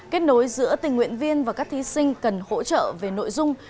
kết nối giữa tình nguyện viên và các thí sinh cần hỗ trợ về nội dung